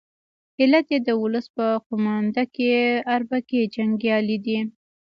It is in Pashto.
علت یې د ولس په قومانده کې اربکي جنګیالي دي.